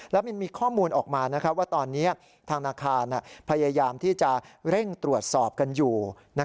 แล้วมันมีข้อมูลออกมาว่าตอนนี้ทางธนาคารพยายามที่จะเร่งตรวจสอบกันอยู่